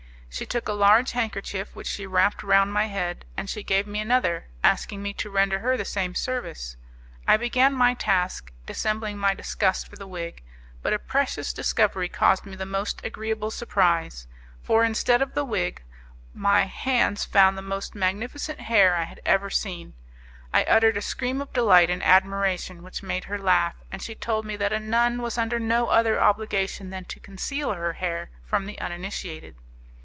She took a large handkerchief, which she wrapped round my head, and she gave me another, asking me to render her the same service. I began my task, dissembling my disgust for the wig, but a precious discovery caused me the most agreeable surprise; for, instead of the wig, my, hands found the most magnificent hair I had ever seen. I uttered a scream of delight and admiration which made her laugh, and she told me that a nun was under no other obligation than to conceal her hair, from the uninitiated.